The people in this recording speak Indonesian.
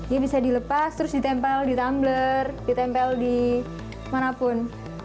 dia bisa dilepas terus ditempel di tumbler ditempel di manapun